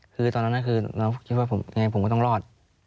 คือตอนนั้นคือน้องคิดว่ายังไงผมก็ต้องรอด